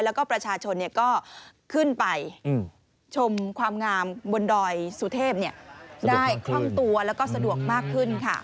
แล้วก็ประชาชนก็ขึ้นไปชมความงามบนดอยสุเทพได้คล่องตัวแล้วก็สะดวกมากขึ้นค่ะ